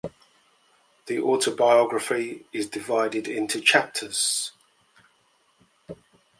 The autobiography is divided into chapters.